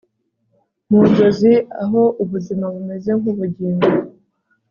Mu nzozi aho ubuzima bumeze nkubugingo